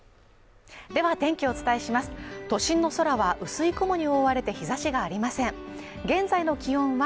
では天気をお伝えします都心の空は薄い雲に覆われて日差しがありません。